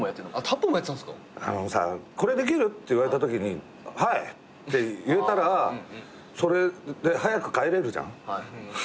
「これできる？」って言われたときに「はい」って言えたらそれで早く帰れるじゃん。